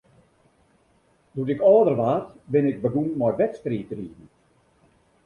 Doe't ik âlder waard, bin ik begûn mei wedstriidriden.